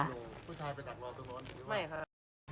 ไม่ค่ะ